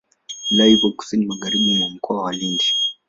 Wilaya ipo kusini magharibi mwa Mkoa wa Lindi.